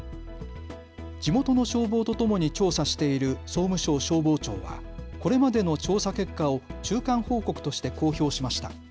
地元の消防とともに調査している総務省消防庁はこれまでの調査結果を中間報告として公表しました。